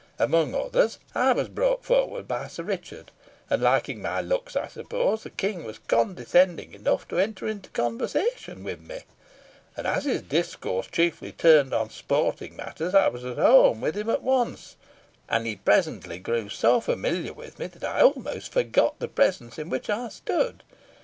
Amongst others, I was brought forward by Sir Richard, and liking my looks, I suppose, the King was condescending enough to enter into conversation with me; and as his discourse chiefly turned on sporting matters, I was at home with him at once, and he presently grew so familiar with me, that I almost forgot the presence in which I stood.